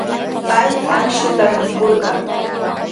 Pay akshuta mikurqan.